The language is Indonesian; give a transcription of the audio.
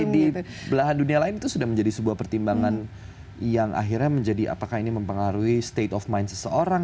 tapi di belahan dunia lain itu sudah menjadi sebuah pertimbangan yang akhirnya menjadi apakah ini mempengaruhi state of mind seseorang